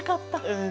うん。